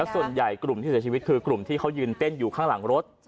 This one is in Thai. ส่วนใหญ่กลุ่มที่เสียชีวิตคือกลุ่มที่เขายืนเต้นอยู่ข้างหลังรถ